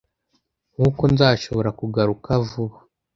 nkuko nzashobora kugaruka vuba